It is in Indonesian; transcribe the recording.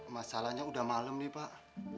masalahnya udah malam nih pak